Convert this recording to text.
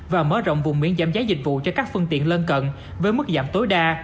và mở rộng vùng miễn giảm giá dịch vụ cho các phương tiện lân cận với mức giảm tối đa